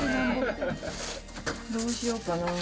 どうしようかな。